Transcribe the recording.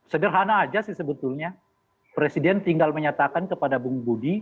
sederhana aja sih sebetulnya presiden tinggal menyatakan kepada bung budi